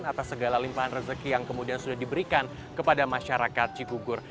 atas segala limpahan rezeki yang kemudian sudah diberikan kepada masyarakat cikugur